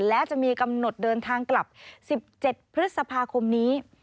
และจะมีกำหนดเดินทางกลับ๑๗พฤษภาคมนี้